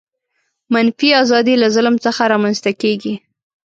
منفي آزادي له ظلم څخه رامنځته کیږي.